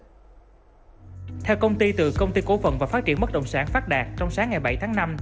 theo công ty từ công ty cố phận và phát triển bất động sản phát đạt trong sáng ngày bảy tháng năm